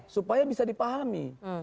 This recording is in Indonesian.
supaya bisa dipahami